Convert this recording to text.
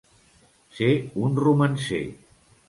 Ser un romancer.